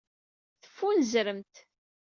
Teffunzremt.